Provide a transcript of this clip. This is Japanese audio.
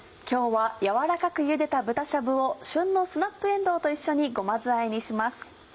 今日は軟らかく茹でた豚しゃぶを旬のスナップえんどうと一緒にごま酢あえにします。